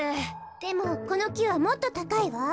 でもこのきはもっとたかいわ。